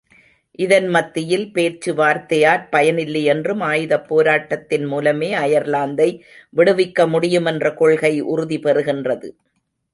இதன் மத்தியில் பேச்சு வார்த்தையாற் பயனில்லையென்றும் ஆயுதப் போராட்டத்தின் மூலமே அயர்லாந்தை விடுவிக்க முடியுமென்ற கொள்கை உறுதிபெறுகின்றது.